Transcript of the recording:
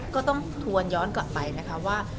ก็ต้องทวนย้อนกลับไปว่า